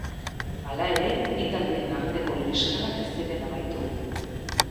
Hala ere, bi taldeen arteko liskarrak ez ziren amaitu.